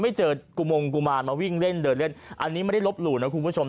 ไม่เจอกุมงกุมารมาวิ่งเล่นเดินเล่นอันนี้ไม่ได้ลบหลู่นะคุณผู้ชม